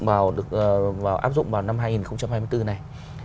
và để áp dụng vào năm hai nghìn hai mươi bốn này